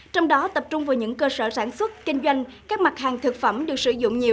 trong đó tập trung vào những cơ sở sản xuất kinh doanh các mặt hàng thực phẩm được sử dụng nhiều